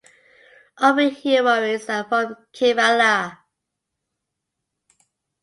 All three heroines are from Kerala.